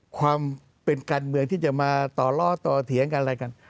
ความเป็นการเมืองที่จะมาต่อล้อต่อเถียงกันอะไรกัน